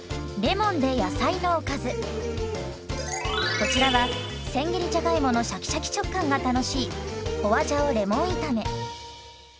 こちらはせん切りじゃがいものシャキシャキ食感が楽しい花椒レモン炒め。